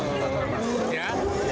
itu batinnya yang buka